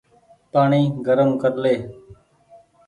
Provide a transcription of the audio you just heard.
پآڻيٚ گرم ڪر لي ۔